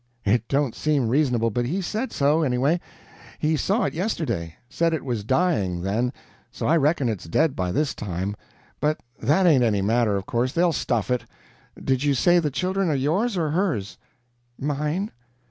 It don't seem reasonable, but he said so, anyway. He saw it yesterday; said it was dying, then, so I reckon it's dead by this time. But that ain't any matter, of course they'll stuff it. Did you say the children are yours or HERS?" "Mine."